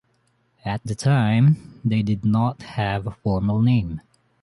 At the time, they did not have a formal name.